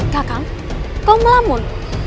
kakang kau melamun